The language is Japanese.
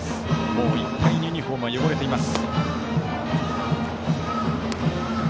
もう、いっぱいにユニフォーム汚れています。